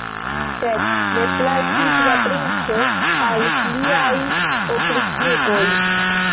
Sed ne plaĉis la princo al liaj opriĉnikoj.